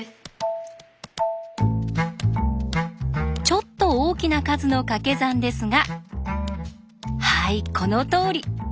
ちょっと大きな数のかけ算ですがはいこのとおり！